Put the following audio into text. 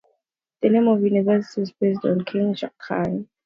The name of university is based on King Janak.